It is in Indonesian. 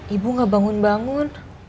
ibu gak bangun bangun